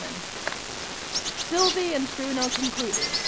407 SYLVIE AND BRUNO CONCLUDED.